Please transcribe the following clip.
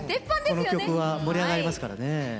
この曲は盛り上がりますからね。